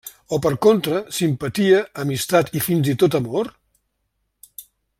O per contra simpatia, amistat i fins i tot amor?